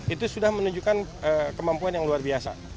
itu sudah menunjukkan kemampuan yang luar biasa